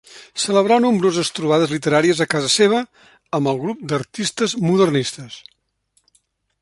Celebrà nombroses trobades literàries a casa seva amb el grup d'artistes modernistes.